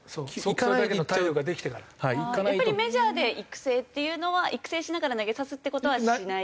やっぱりメジャーで育成っていうのは育成しながら投げさすって事はしない？